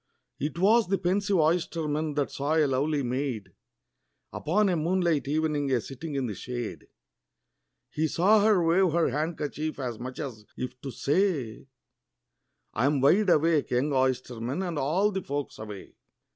It was the pensive oysterman that saw a lovely maid, Upon a moonlight evening, a sitting in the shade; He saw her wave her handkerchief, as much as if to say, "I 'm wide awake, young oysterman, and all the folks away."